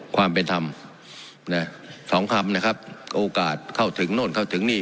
ความเป็นธรรมนะสองคำนะครับโอกาสเข้าถึงโน่นเข้าถึงนี่